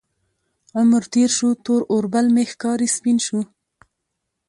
عمر تیر شو، تور اوربل مې ښکاري سپین شو